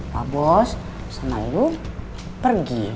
pak bos sama ibu pergi